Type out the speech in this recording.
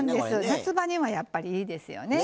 夏場にはやっぱりいいですよね。